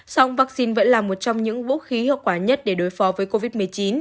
song vaccine vẫn là một trong những vũ khí hiệu quả nhất để đối phó với covid một mươi chín